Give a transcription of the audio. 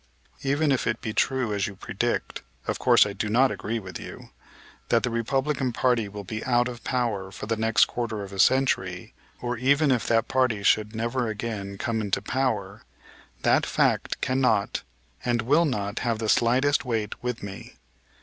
Even if it be true, as you predict of course I do not agree with you that the Republican party will be out of power for the next quarter of a century, or even if that party should never again come into power, that fact cannot and will not have the slightest weight with me.